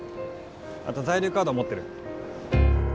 あと在留カード持ってる？